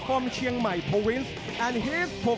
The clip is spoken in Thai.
สวัสดีครับสวัสดีครับ